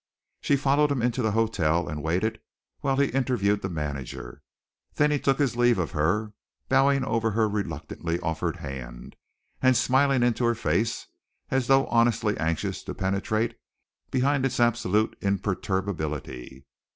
She followed him into the hotel and waited while he interviewed the manager. Then he took his leave of her, bowing over her reluctantly offered hand, and smiling into her face as though honestly anxious to penetrate behind its absolute imperturbability.